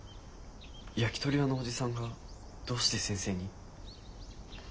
焼きとり屋のおじさんがどうして先生に？